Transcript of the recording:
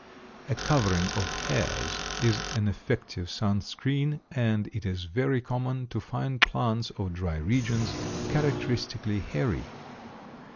A covering of hairs is an effective sun screen, and it is very common to find plants of dry regions characteristically hairy.